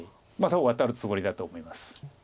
多分ワタるつもりだと思います。